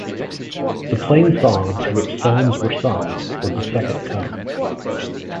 The plainsong to which psalms were sung was the second tone.